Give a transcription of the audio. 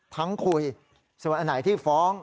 ทั้งคุยส่วนอันไหนที่ฟ้อง